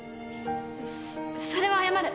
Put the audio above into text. そっそれは謝る。